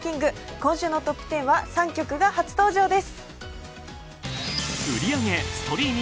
今週のトップ１０は３曲が初登場です。